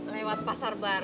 lewat pasar baru